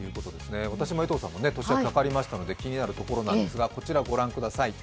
私も江藤さんも年明けにかかりましたので気になるところなんですが、こちらご覧ください。